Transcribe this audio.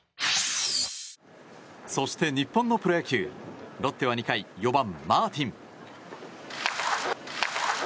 そして、日本のプロ野球ロッテは２回４番、マーティン。